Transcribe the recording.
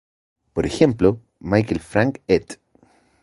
Por ejemplo, Michael Frank et.